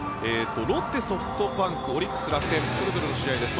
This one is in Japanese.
ロッテ、ソフトバンクオリックス、楽天それぞれの試合です。